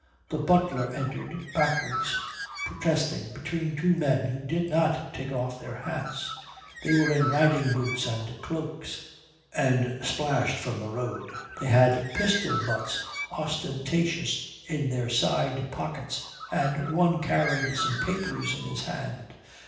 The butler entered backwards, protesting, between two men who did not take off their hats. They were in riding boots and cloaks, and splashed from the road. They had pistol butts ostentatious in their side pockets, and one carried some papers in his hand.